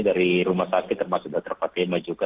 dari rumah sakit termasuk dr fatimah juga